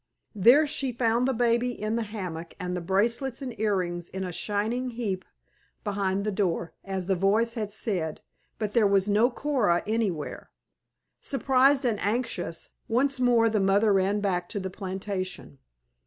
There she found the baby in the hammock and the bracelets and earrings in a shining heap behind the door, as the voice had said, but there was no Coora anywhere. Surprised and anxious, once more the mother ran back to the plantation.